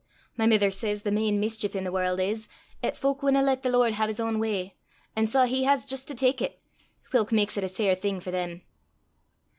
My mither says the main mischeef i' the warl' is, 'at fowk winna lat the Lord hae his ain w'y, an' sae he has jist to tak it, whilk maks it a sair thing for them."